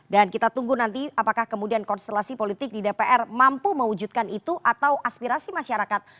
kita tunggu nanti apakah kemudian konstelasi politik di dpr mampu mewujudkan itu atau aspirasi masyarakat